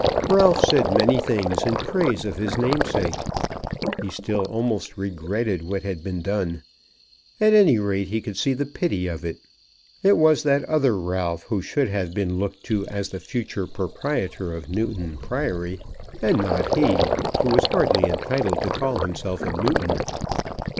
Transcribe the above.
Ralph said many things in praise of his namesake. He still almost regretted what had been done. At any rate he could see the pity of it. It was that other Ralph who should have been looked to as the future proprietor of Newton Priory, and not he, who was hardly entitled to call himself a Newton.